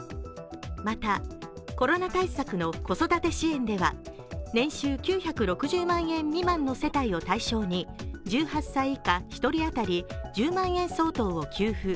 また、コロナ対策の子育て支援では年収９６０万円未満の世帯を対象に１８歳以下１人当たり１０万円相当を給付。